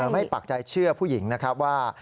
ปักใจเชื่อผู้หญิงนะครับว่า